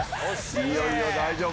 いいよいいよ、大丈夫。